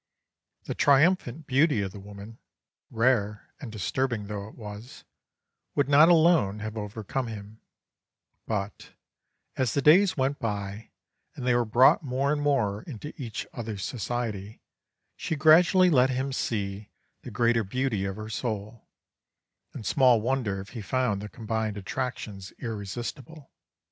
"The triumphant beauty of the woman, rare and disturbing though it was, would not alone have overcome him, but, as the days went by, and they were brought more and more into each other's society, she gradually let him see the greater beauty of her soul; and small wonder if he found the combined attractions irresistible.